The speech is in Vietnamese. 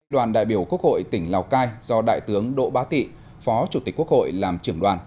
đoàn đại biểu quốc hội tỉnh lào cai do đại tướng đỗ bá tị phó chủ tịch quốc hội làm trưởng đoàn